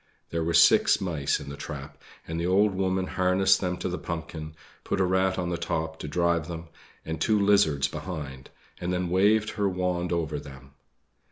There were six mice in the trap, and the old woman harnessed them to the pumpkin, put a rat on the top to drive them, and two lizards behind, and then waved her wand over them.